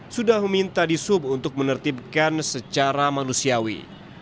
sudah meminta di sub untuk menertibkan secara manusiawi